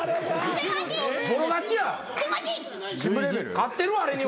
勝ってるわあれには。